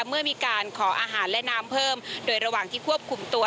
เมื่อมีการขออาหารและน้ำเพิ่มโดยระหว่างที่ควบคุมตัว